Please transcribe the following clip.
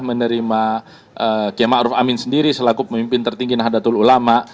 menerima kiamat arif amin sendiri selaku pemimpin tertinggi nahdlatul ulama